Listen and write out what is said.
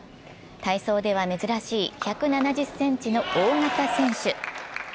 体操では珍しい１７０ｃｍの大型選手。